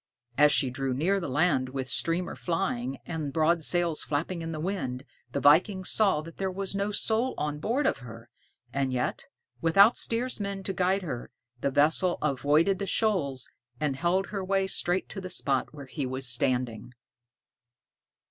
As she drew near the land with streamer flying and broad sails flapping in the wind, the viking saw that there was no soul on board of her; and yet, without steersman to guide her, the vessel avoided the shoals and held her way straight to the spot where he was standing.